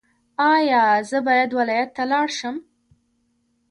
ایا زه باید ولایت ته لاړ شم؟